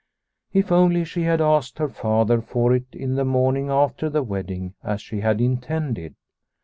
If only she had asked her father for it the morning after the wedding as she had intended